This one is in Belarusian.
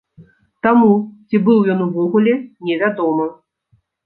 Таму, ці быў ён увогуле, не вядома.